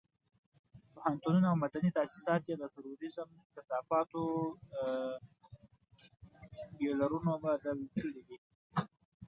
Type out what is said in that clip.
پوهنتونونه او مدني تاسيسات یې د تروريزم کثافاتو بيولرونو بدل کړي دي.